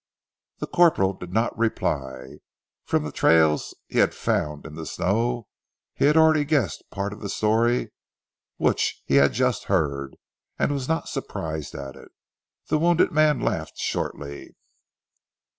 The corporal did not reply. From the trails he had found in the snow, he had already guessed part of the story which he had just heard and was not surprised at it. The wounded man laughed shortly.